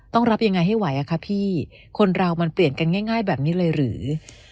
ต้องรับยังไงให้ไหวอะคะพี่คนเรามันเปลี่ยนกันง่ายแบบนี้เลยหรือ